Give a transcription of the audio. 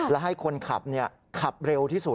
และให้คนขับขับเร็วที่สุด